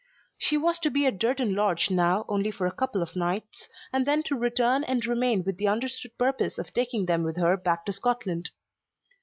She was to be at Durton Lodge now only for a couple of nights, and then to return and remain with the understood purpose of taking them with her back to Scotland.